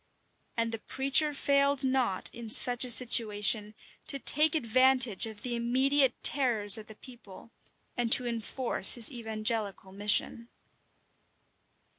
And the preacher failed not, in such a situation, to take advantage of the immediate terrors of the people, and to enforce his evangelical mission.